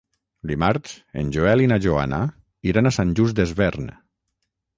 Dimarts en Joel i na Joana iran a Sant Just Desvern.